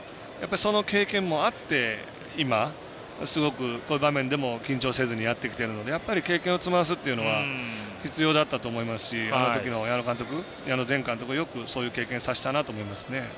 その経験もあって今、すごくこういう場面でも緊張せずにやっていけてるのでやっぱり経験を積ませるというのは必要だったと思いますしあの時の矢野前監督がよくそういう経験させたなと思います。